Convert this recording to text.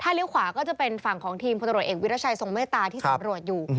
เลี้ยวขวาก็จะเป็นฝั่งของทีมพลตรวจเอกวิรัชัยทรงเมตตาที่สำรวจอยู่